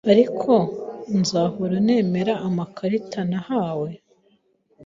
Ariko nzahora nemera amakarita nahawe